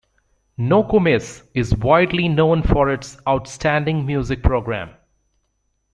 Nokomis is widely known for its outstanding music program.